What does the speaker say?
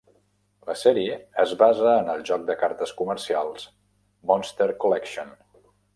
La sèrie es basa en el joc de cartes comercials Monster Collection.